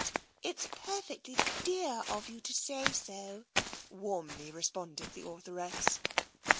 " It's perfectly dear of you to say so," warmly re sponded the authoress.